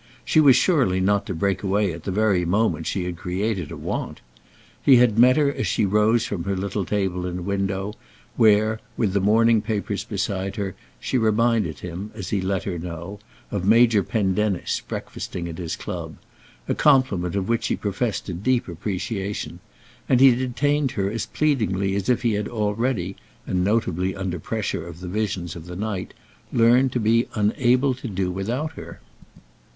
She was surely not to break away at the very moment she had created a want. He had met her as she rose from her little table in a window, where, with the morning papers beside her, she reminded him, as he let her know, of Major Pendennis breakfasting at his club—a compliment of which she professed a deep appreciation; and he detained her as pleadingly as if he had already—and notably under pressure of the visions of the night—learned to be unable to do without her.